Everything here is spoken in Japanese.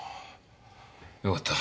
よかった。